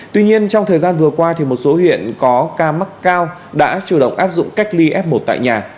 tuy nhiên trong thời gian vừa qua một số huyện có ca mắc cao đã chủ động áp dụng cách ly f một tại nhà